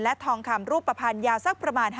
และทองคำรูปภัณฑ์ยาวสักประมาณ